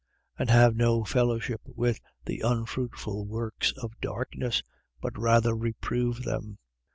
5:11. And have no fellowship with the unfruitful works of darkness: but rather reprove them.